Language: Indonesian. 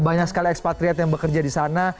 banyak sekali ekspatriat yang bekerja di sana